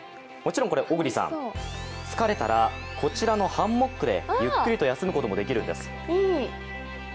もちろんこれ、小栗さん、疲れたらこちらのハンモックでゆっくりと休むこともできるんです。